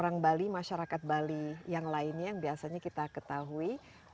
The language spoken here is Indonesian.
orang bali masyarakat bali yang lainnya yang biasanya kita ketahui